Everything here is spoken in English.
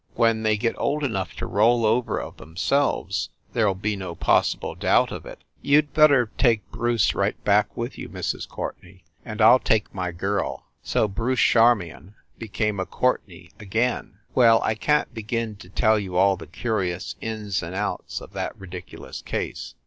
When they get old enough to roll over of themselves there ll be no possible doubt of it. You d better take Bruce right 338 FIND THE WOMAN back with you, Mrs. Courtenay, and I ll take my girl!" So Bruce Charmion became ,a Courtenay again. Well, I can t begin to tell you all the curious ins and outs of that ridiculous case.